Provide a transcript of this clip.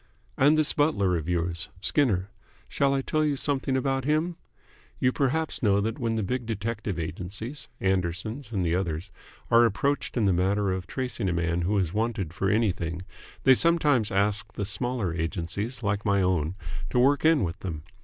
"And this butler of yours Skinner. Shall I tell you something about him? You perhaps know that when the big detective agencies, Anderson's and the others, are approached in the matter of tracing a man who is wanted for anything they sometimes ask the smaller agencies like my own to work in with them.